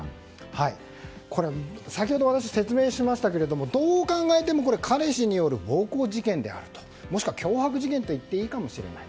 先ほど、私が説明しましたがどう考えても彼氏による暴行事件であるともしくは脅迫事件といっていいかもしれない。